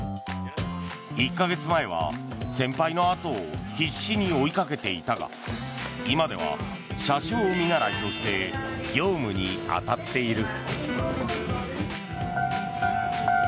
１か月前は先輩の後を必死に追いかけていたが今では車掌見習いとして業務に当たっている。